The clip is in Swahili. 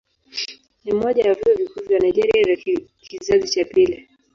Ni mmoja ya vyuo vikuu vya Nigeria vya kizazi cha pili.